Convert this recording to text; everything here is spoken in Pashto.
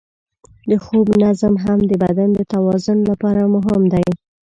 د خوب نظم هم د بدن د توازن لپاره مهم دی.